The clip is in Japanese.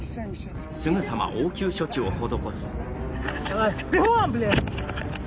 すぐさま応急処置を施す。